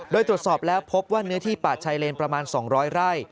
โดยตรวจสอบแล้วพบว่าเนื้อที่ป่าชายเลนประมาณ๒๐๐ไร่